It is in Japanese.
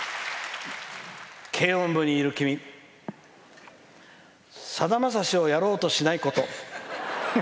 軽音部にいる君さだまさしをやろうとしないこと。